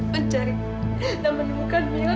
mencari dan menemukan mira